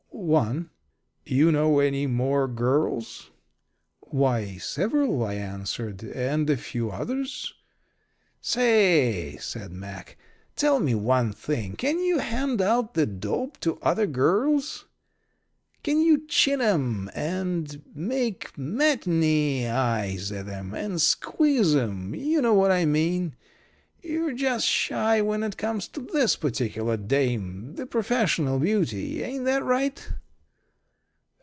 "One." "You know any more girls?" "Why, several," I answered. "And a few others." "Say," said Mack, "tell me one thing can you hand out the dope to other girls? Can you chin 'em and make matinée eyes at 'em and squeeze 'em? You know what I mean. You're just shy when it comes to this particular dame the professional beauty ain't that right?"